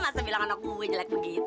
masa bilang anak gue jelek begitu